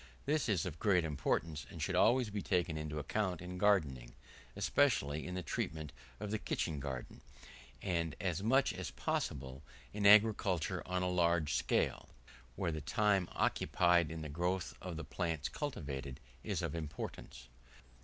This is of great importance, and should always be taken into account in gardening, especially in the treatment of the kitchen garden; and as much as possible, in agriculture on a large scale, where the time occupied in the growth of the plants cultivated is of importance.